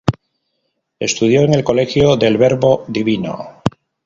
Estudio en el Colegio del Verbo Divino.